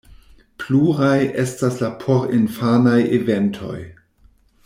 Pluraj estas la porinfanaj eventoj.